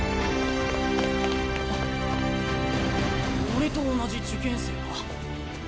俺と同じ受験生か。